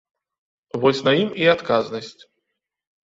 Вось на ім і адказнасць.